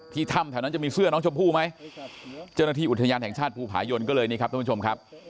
ถ้ำแถวนั้นจะมีเสื้อน้องชมพู่ไหมเจ้าหน้าที่อุทยานแห่งชาติภูผายนก็เลยนี่ครับท่านผู้ชมครับ